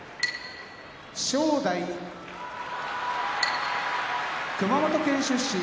正代熊本県出身